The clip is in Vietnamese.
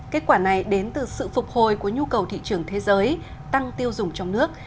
kết quả này đến từ sự phục hồi của nhu cầu thị trường thế giới tăng tiêu dùng trong nước